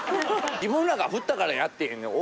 自分らが振ったからやってんねん。